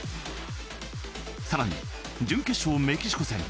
さらに、準決勝メキシコ戦。